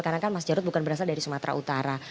karena kan mas jarod bukan berasal dari sumatera utara